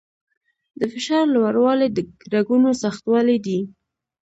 د فشار لوړوالی د رګونو سختوالي دی.